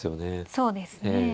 そうですね。